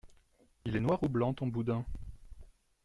Il est noir ou blanc ton boudin?